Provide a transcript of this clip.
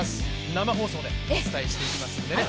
生放送でお伝えしていきますんでね。